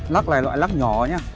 lắc này là loại lắc nhỏ nhé